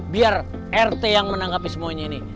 biar rt yang menanggapi semuanya ini